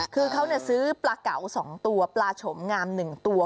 คือเขาซื้อปลาเก๋า๒ตัวปลาฉมงาม๑ตัว